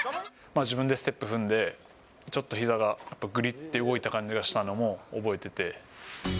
自分でステップ踏んで、ちょっとひざが、ぐりって動いた感じがしたのも覚えてて。